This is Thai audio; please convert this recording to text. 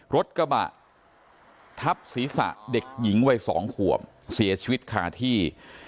รถกระบะทับศีรษะเด็กหญิงวัย๒ขวบเสียชีวิตคาที่